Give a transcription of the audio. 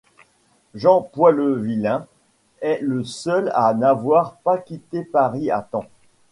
Jean Poilevillain est le seul à n'avoir pas quitté Paris à temps.